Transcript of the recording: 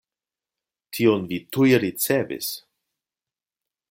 Tion vi tuj ricevis.